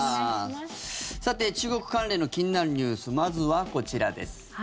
さて中国関連の気になるニュースまずはこちらです。